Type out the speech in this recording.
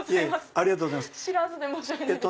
ありがとうございます。